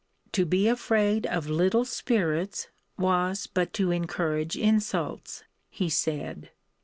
To be afraid of little spirits was but to encourage insults, he said.